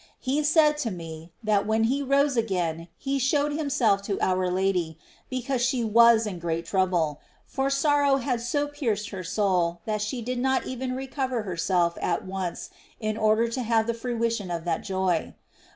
He said to me, that when He rose again He showed Himself to our Lady, because she was in great trouble ; for sorrow had so pierced her soul that she did not even recover herself at once in order to have the fruition of that joy.